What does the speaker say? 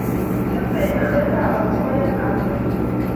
Tesei nametab osoya asenet